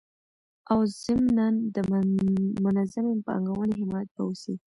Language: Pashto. او ضمنان د منظمي پانګوني حمایت به وسي